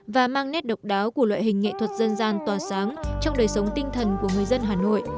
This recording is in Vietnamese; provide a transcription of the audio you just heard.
và mang nét độc đáo của loại hình nghệ thuật dân gian toà sáng trong đời sống tinh thần của người dân hà nội